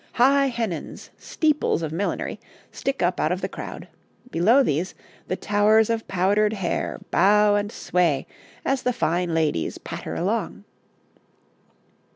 High hennins, steeples of millinery, stick up out of the crowd; below these, the towers of powdered hair bow and sway as the fine ladies patter along.